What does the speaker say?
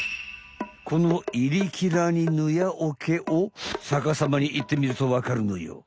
この「いりきらにぬやおけ」を逆さまにいってみるとわかるのよ。